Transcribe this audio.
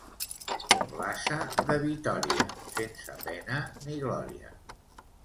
Com l'ase de Vitòria, sense pena ni glòria.